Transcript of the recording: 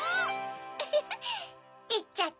ウフフいっちゃった。